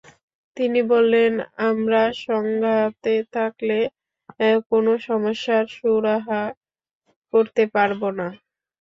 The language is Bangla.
তিনি বললেন, আমরা সংঘাতে থাকলে কোনো সমস্যার সুরাহা করতে পারব না।